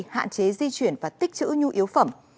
hạn chế di chuyển và tích chữ nhu yếu phẩm